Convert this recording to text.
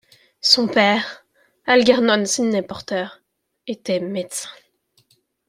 Son père, Algernon Sidney Porter, était médecin.